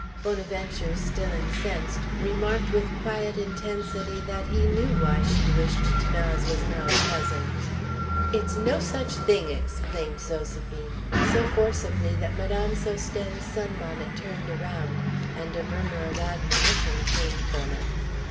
Bonaventure, still incensed, remarked with quiet intensity that he knew why she wished 'Thanase was not a cousin. "It's no such a thing!" exclaimed Zoséphine so forcibly that Madame Sosthène's sunbonnet turned around, and a murmur of admonition came from it.